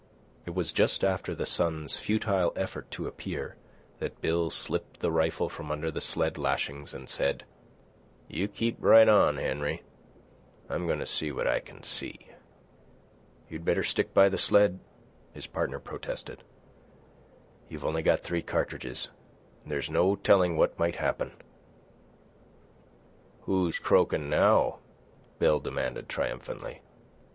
It was just after the sun's futile effort to appear, that Bill slipped the rifle from under the sled lashings and said: "You keep right on, Henry, I'm goin' to see what I can see." "You'd better stick by the sled," his partner protested. "You've only got three cartridges, an' there's no tellin' what might happen." "Who's croaking now?" Bill demanded triumphantly.